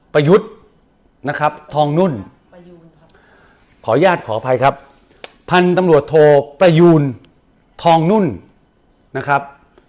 ปะยุดนะครับทองนุ่นขออนุญาตขออภัยครับพันธมรวชโทปะยูนทองนุ่นนะครับ